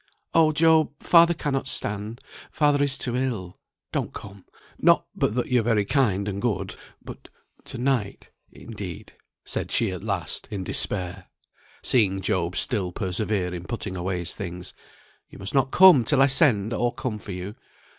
"Oh, Job! father cannot stand father is too ill. Don't come; not but that you're very kind and good; but to night indeed," said she at last, in despair, seeing Job still persevere in putting away his things; "you must not come till I send or come for you.